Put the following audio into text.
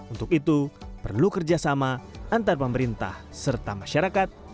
untuk itu perlu kerjasama antar pemerintah serta masyarakat